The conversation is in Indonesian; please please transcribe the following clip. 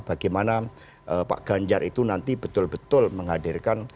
bagaimana pak ganjar itu nanti betul betul menghadirkan